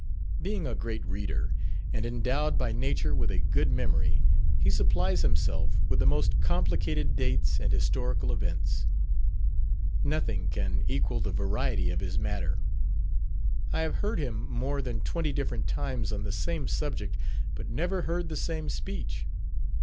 Being a great reader, and endowed by nature with a good memory, he supplies himself with the most complicated dates and historical events. Nothing can equal the variety of his matter. I have heard him more than twenty different times on the same subject, but never heard the same speech.